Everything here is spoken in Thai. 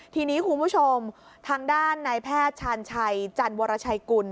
ทีนี้คุณผู้ชมทางด้านนายแพทย์ชาญชัยจันวรชัยกุล